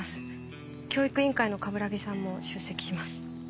教育委員会の鏑木さんも出席します。